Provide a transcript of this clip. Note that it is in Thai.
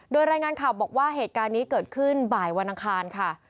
โดยรายงานข่าวบอกว่าเหตุการณ์นี้เกิดขึ้นบ่ายวันอังคารค่ะ